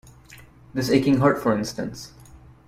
This aching heart, for instance.